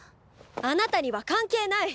あなたには関係ない！